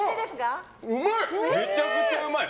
めちゃくちゃうまい。